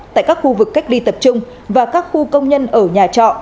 tại các khu vực cách ly tập trung và các khu công nhân ở nhà trọ